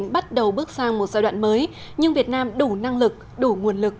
bắt đầu bước sang một giai đoạn mới nhưng việt nam đủ năng lực đủ nguồn lực